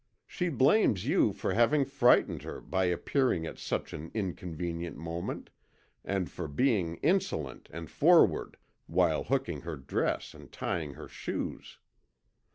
She blames you for having frightened her by appearing at such an inconvenient moment, and for being insolent and forward while hooking her dress and tying her shoes.